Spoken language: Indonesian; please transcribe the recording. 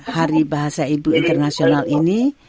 hari bahasa ibu internasional ini